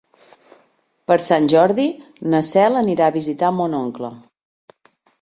Per Sant Jordi na Cel anirà a visitar mon oncle.